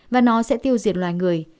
và nó sẽ tiêu diệt loài người